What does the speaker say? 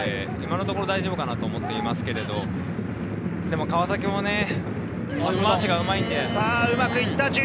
今のところ大丈夫かなと思っていますけれど、でも川崎もパス回しがうまいので。